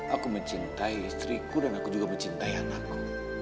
aku mencintai istriku dan aku juga mencintai anakku